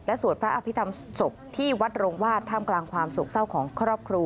และสวดพระอภิตามสบที่วัฒน์ลงวาดอธพกลางความสกเจ้าของครอบครัว